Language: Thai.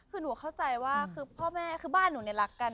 คือหนูเข้าใจว่าคือพ่อแม่คือบ้านหนูเนี่ยรักกัน